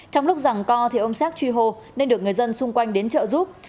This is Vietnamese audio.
trong lúc rằng co thì ông xéc truy hô nên được người dân xung quanh đến chợ giúp